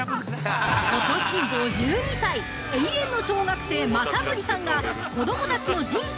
◆ことし５２歳・永遠の小学生まさのりさんが子供たちの人生